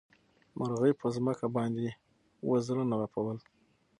مرغۍ په ځمکه باندې وزرونه رپول.